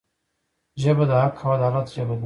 ژبه د حق او عدالت ژبه ده